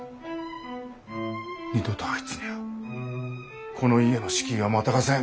二度とあいつにゃあこの家の敷居はまたがせん。